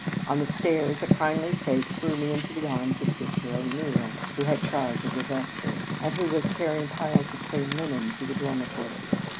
On the stairs a kindly fate threw me into the arms of Sister O Neil, who had charge of the vestry, and who was carrying piles of clean linen to the dormitories.